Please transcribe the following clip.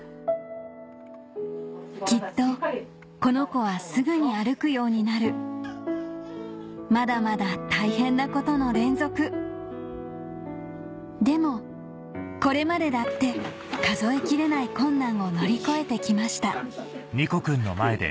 きっとこの子はすぐに歩くようになるまだまだ大変なことの連続でもこれまでだって数え切れない困難を乗り越えてきました